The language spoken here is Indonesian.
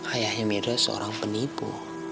ayahnya medha seorang penipu